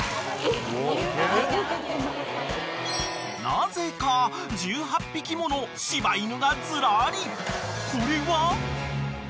［なぜか１８匹もの柴犬がずらりこれは？］